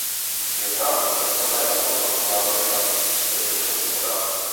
Je znám pro své odborné a nekompromisní názory na bezpečnostní otázky.